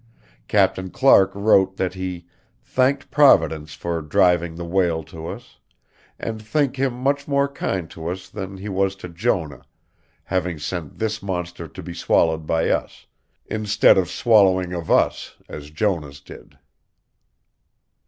Captain Clark wrote that he "thanked providence for driving the whale to us; and think him much more kind to us than he was to Jonah having sent this monster to be swallowed by us, in sted of swallowing of us as jonah's did."